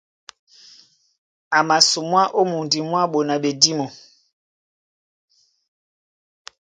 A masumwá ó mundi mwá ɓona ɓedímo.